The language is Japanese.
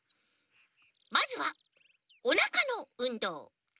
まずはおなかのうんどう！